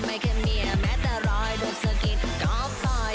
ไม่แค่เมียแม้แต่รอยโดดสกิดก็ปล่อย